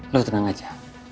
lo tenang aja